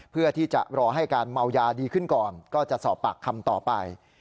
เพื่อที่จะรอให้การเมายาดีขึ้นก่อนก็จะสอบปากคำต่อไป